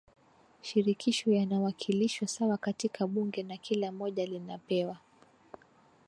shirikisho yanawakilishwa sawa katika bunge na kila moja linapewa